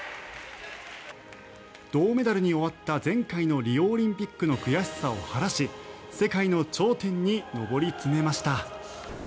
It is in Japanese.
銅メダルに終わった前回のリオオリンピックの悔しさを晴らし世界の頂点に上り詰めました。